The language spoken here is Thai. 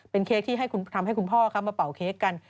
เป็นเค้กที่ทำให้คุณพ่อมาเป่าเค้กกัน